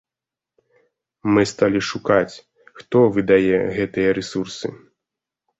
Мы сталі шукаць, хто выдае гэтыя рэсурсы.